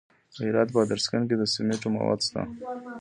د هرات په ادرسکن کې د سمنټو مواد شته.